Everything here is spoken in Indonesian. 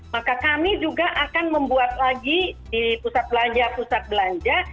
maka kami juga akan membuat lagi di pusat belanja pusat belanja